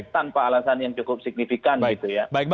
tanpa alasan yang cukup signifikan gitu ya